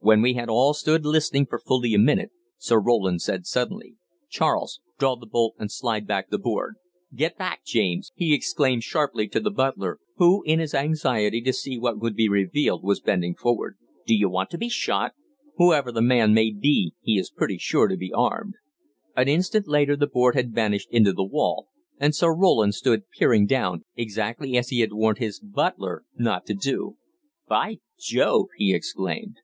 When we had all stood listening for fully a minute, Sir Roland said suddenly: "Charles, draw the bolt and slide back the board get back, James!" he exclaimed sharply to the butler, who in his anxiety to see what would be revealed was bending forward. "D'you want to be shot? Whoever the man may be he is pretty sure to be armed." An instant later the board had vanished into the wall, and Sir Roland stood peering down exactly as he had warned his butler not to do. "By Jove!" he exclaimed.